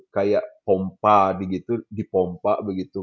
kayak pompa dipompa begitu